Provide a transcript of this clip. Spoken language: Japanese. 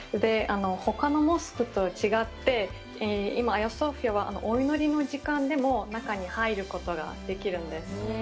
ほかのモスクと違って、今、アヤソフィアはお祈りの時間でも中に入ることができるんです。